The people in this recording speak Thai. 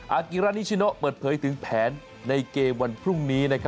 กิรานิชิโนเปิดเผยถึงแผนในเกมวันพรุ่งนี้